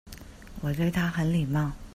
我對他很禮貌